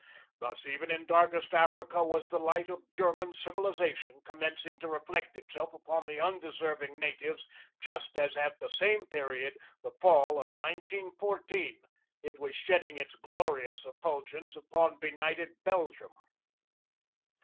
Thus even in darkest Africa was the light of German civilization commencing to reflect itself upon the undeserving natives just as at the same period, the fall of 1914, it was shedding its glorious effulgence upon benighted Belgium.